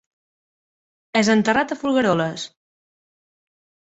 És enterrat a Folgueroles.